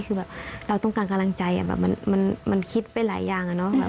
คือเราต้องการกำลังใจมันคิดไปหลายอย่าง